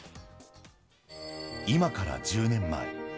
今から１０年前。